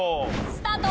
スタート！